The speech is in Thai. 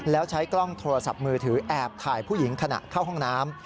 แล้วใช้กล้องโทรศัพท์มือถือแอบถ่ายผู้หญิงขณะเข้าห้องน้ำ